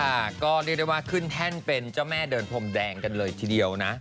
ค่ะก็เรียกได้ว่าขึ้นแท่นเป็นเจ้าแม่เดินพรมแดงกันเลยทีเดียวนะ